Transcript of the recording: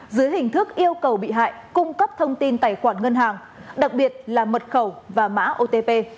dưới hình thức yêu cầu bị hại cung cấp thông tin tài khoản ngân hàng đặc biệt là mật khẩu và mã otp